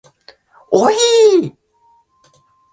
おいいい